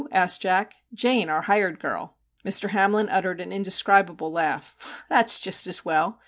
'asked Jack. 'Jane, our hired girl/ Mr. Hamlin uttered an indescribable laugh. 'That's just as well!